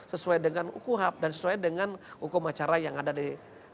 sesuai dengan kuhap dan sesuai dengan hukum acara yang ada di